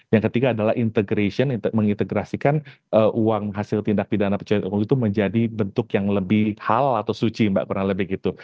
yang ketiga adalah integration mengintegrasikan uang hasil tindak pidana pencucian uang itu menjadi bentuk yang lebih halal atau suci mbak pernah lebih gitu